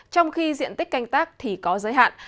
trong khi diện tích canh tác thì có giới hạn